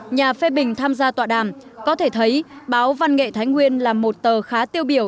nhà phê bình tham gia tọa đàm có thể thấy báo văn nghệ thái nguyên là một tờ khá tiêu biểu